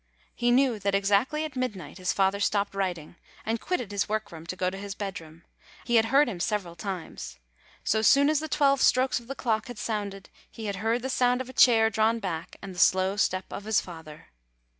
He knew that exactly at mid night his father stopped writing, and quitted his work room to go to his bedroom ; he had heard him several times : so soon as the twelve strokes of the clock had sounded, he had heard the sound of a chair drawn back, and the slow step of his father.